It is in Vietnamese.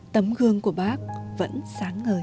tấm gương của bác vẫn sáng ngời